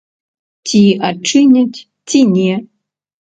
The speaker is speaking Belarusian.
Ці адчыняць, ці не?